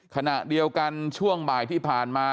ขณะเดียวกันช่วงบ่ายที่ผ่านมา